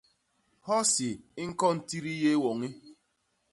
Hosi i ñkon titi yé woñi.